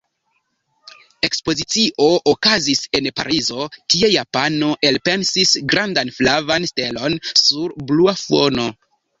Ekspozicio okazis en Parizo: tie japano elpensis grandan flavan stelon sur blua fono.